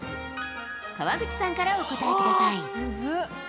川口さんからお答えください。